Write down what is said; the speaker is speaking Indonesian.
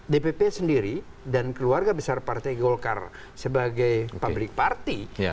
dpp sendiri dan keluarga besar partai golkar sebagai public party